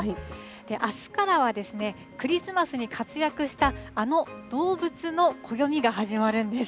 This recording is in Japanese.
あすからは、クリスマスに活躍したあの動物の暦が始まるんです。